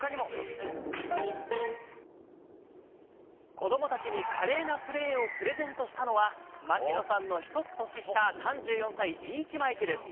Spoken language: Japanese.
子どもたちに華麗なプレーをプレゼントしたのは、槙野さんの１つ年下、３４歳、リーチマイケル。